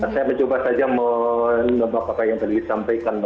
saya mencoba saja menebak apa yang tadi disampaikan